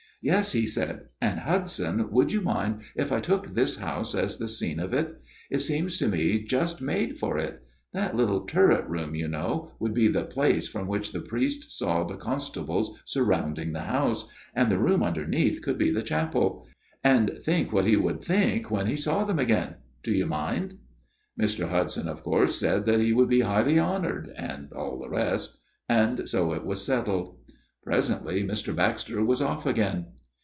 "' Yes/ he said. ' And, Hudson, would you mind if I took this house as the scene of it ? It seems to me just made for it. That little turret room, you know, would be the place from which the priest saw the constables surrounding the house ; and the room underneath could be the chapel. And think what he would think when he saw them again ! Do you mind ?'" Mr. Hudson, of course, said that he would be highly honoured, and all the rest ; and so it was settled. " Presently Mr. Baxter was off again.